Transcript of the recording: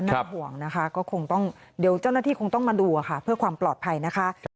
ห่วงนะคะก็คงต้องเดี๋ยวเจ้าหน้าที่คงต้องมาดูค่ะเพื่อความปลอดภัยนะคะ